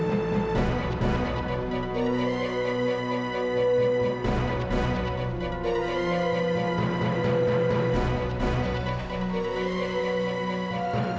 aku dia merasa tegas ya